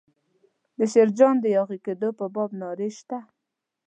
د شیرجان د یاغي کېدو په باب نارې شته.